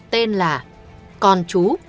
tên là con chú